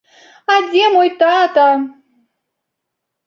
А дзе мой тата?